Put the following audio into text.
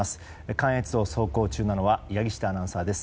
関越道を走行中なのは柳下アナウンサーです。